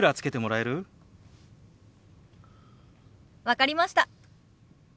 分かりました。